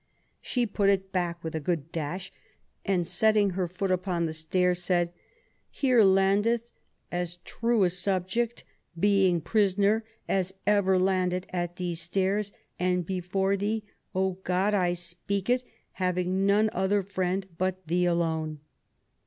She " put it back with a good dash," and setting her foot upon the stair, said :Here landeth as true a subject, being prisoner, as ever landed at these stairs, and before Thee, O God, 30 QUEEN ELIZABETH, I speak it, having none other friend but Thee alone